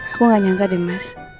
aku gak nyangka deh mas